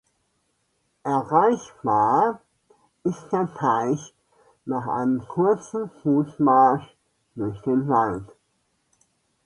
Erreichbar ist der Teich nach einem kurzen Fußmarsch durch den Wald.